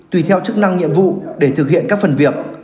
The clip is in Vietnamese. tùy theo chức năng nhiệm vụ để thực hiện các phần việc